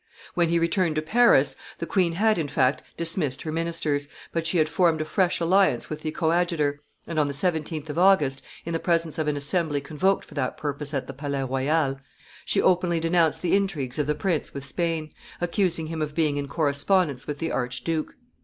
When he returned to Paris, the queen had, in fact, dismissed her ministers, but she had formed a fresh alliance with the coadjutor, and, on the 17th of August, in the presence of an assembly convoked for that purpose at the Palais Royal, she openly denounced the intrigues of the prince with Spain, accusing him of being in correspondence with the archduke.